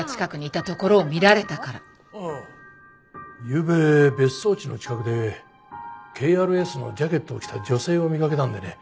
ゆうべ別荘地の近くでＫＲＳのジャケットを着た女性を見かけたんでね。